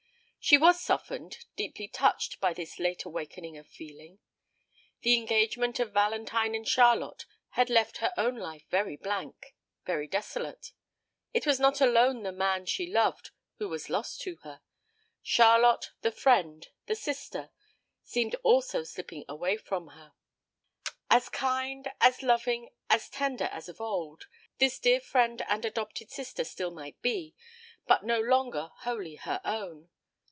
She was softened, deeply touched by this late awakening of feeling. The engagement of Valentine and Charlotte had left her own life very blank, very desolate. It was not alone the man she loved who was lost to her; Charlotte, the friend, the sister, seemed also slipping away from her. As kind, as loving, as tender as of old, this dear friend and adopted sister still might be, but no longer wholly her own.